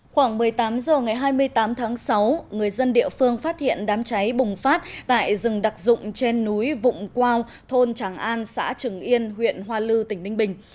khoảng một mươi tám h ngày hai mươi tám tháng sáu người dân địa phương phát hiện đám cháy bùng phát tại rừng đặc dụng trên núi vụng quao thôn tràng an xã trừng yên huyện hoa lư tỉnh ninh bình